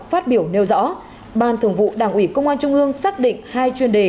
phát biểu nêu rõ ban thường vụ đảng ủy công an trung ương xác định hai chuyên đề